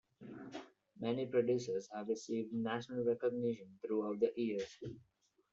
Many producers have received national recognition throughout the years.